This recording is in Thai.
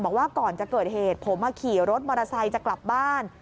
บอกว่าก่อนจะเกิดเหตุผมขี่รถมอเตอร์ไซค์จะกลับบ้าน